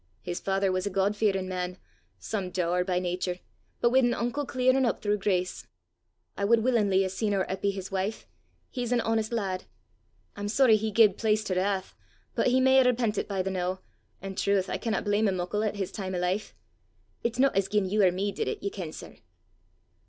His father was a God fearin' man some dour by natur, but wi' an unco clearin' up throuw grace. I wud wullin'ly hae seen oor Eppy his wife; he's an honest lad! I'm sorry he gied place to wrath, but he may hae repentit by the noo, an' trowth, I canna blame him muckle at his time o' life! It's no as gien you or me did it, ye ken, sir!"